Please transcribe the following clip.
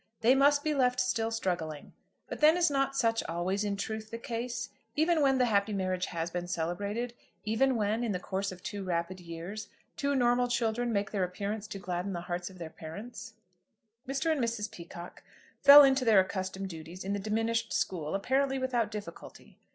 They must be left still struggling. But then is not such always in truth the case, even when the happy marriage has been celebrated? even when, in the course of two rapid years, two normal children make their appearance to gladden the hearts of their parents? Mr. and Mrs. Peacocke fell into their accustomed duties in the diminished school, apparently without difficulty.